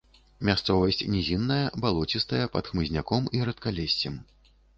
Мясцовасць нізінная, балоцістая, пад хмызняком і рэдкалессем.